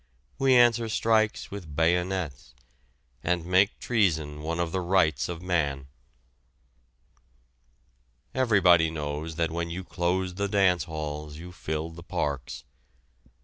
We answer strikes with bayonets, and make treason one of the rights of man. Everybody knows that when you close the dance halls you fill the parks.